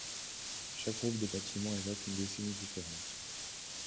Chaque groupe de bâtiment évoque une décennie différente.